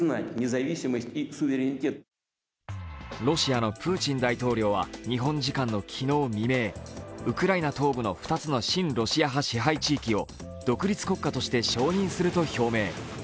ロシアのプーチン大統領は、日本時間の昨日未明、ウクライナ東部の２つの親ロシア派支配地域を独立国家として承認すると表明。